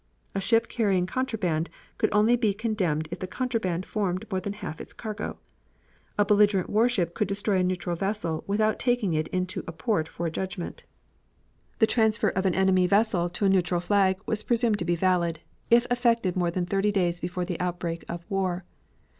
A ship carrying contraband could only be condemned if the contraband formed more than half its cargo. A belligerent warship could destroy a neutral vessel without taking it into a port for a judgment. The transfer of an enemy vessel to a neutral flag was presumed to be valid, if effected more than thirty days before the outbreak of war.